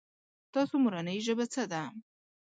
تاسو مورنۍ ژبه څه ده ؟